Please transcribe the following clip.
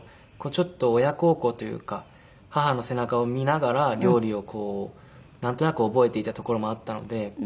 ちょっと親孝行というか母の背中を見ながら料理をなんとなく覚えていたところもあったので。